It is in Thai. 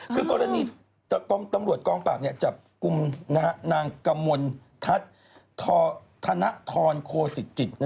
คือกรณีตำรวจกล้องปราบเนี่ยจับกุมนางกมลธนทรโครสิจิต